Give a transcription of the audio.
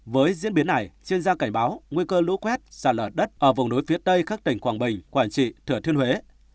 với diễn biến này chuyên gia cảnh báo nguy cơ lũ quét xả lở đất ở vùng núi phía tây các tỉnh quảng bình quảng trị thừa thiên huế